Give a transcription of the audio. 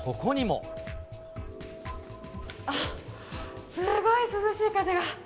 あっ、すごい涼しい風が。